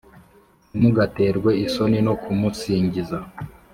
ntimugaterwe isoni no kumusingiza.